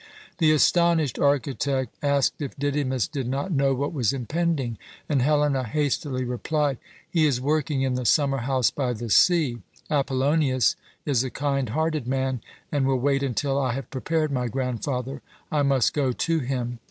The astonished architect asked if Didymus did not know what was impending, and Helena hastily replied: "He is working in the summer house by the sea. Apollonius is a kind hearted man, and will wait until I have prepared my grandfather. I must go to him.